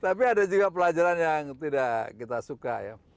tapi ada juga pelajaran yang tidak kita suka ya